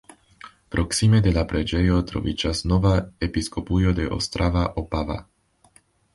Proksime de la preĝejo troviĝas nova episkopujo de Ostrava-Opava.